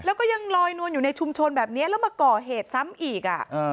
แล้วก็ยังลอยนวลอยู่ในชุมชนแบบนี้แล้วมาก่อเหตุซ้ำอีก